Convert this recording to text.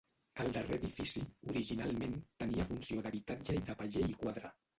El darrer edifici, originalment, tenia funció d'habitatge i de paller i quadra.